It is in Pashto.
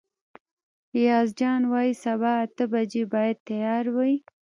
ایاز جان وايي سبا اته بجې باید تیار وئ.